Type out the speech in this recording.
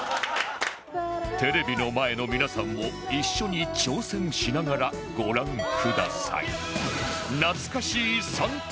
テレビの前の皆さんも一緒に挑戦しながらご覧ください